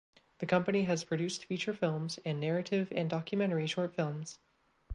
The company has produced feature films and narrative and documentary short films.